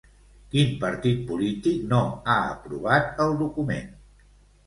Quin partit polític no ha aprovat el document?